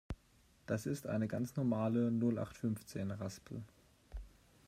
Das ist eine ganz normale Nullachtfünfzehn-Raspel.